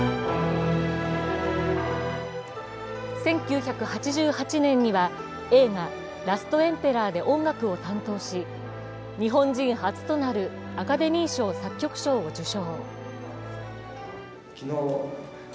１９８８年には映画「ラストエンペラー」で音楽を担当し日本人初となるアカデミー賞作品賞を受賞。